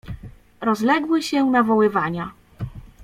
"Rozległy się nawoływania."